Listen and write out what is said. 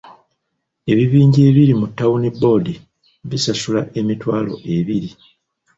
Ebibanja ebiri mu Town Board bisasula emitwalo ebiri.